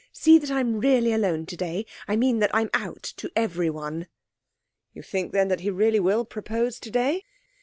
'See that I'm really alone today I mean that I'm out to everyone.' 'You think, then, that he really will propose today?'